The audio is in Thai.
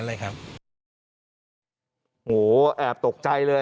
โอ้โหแอบตกใจเลย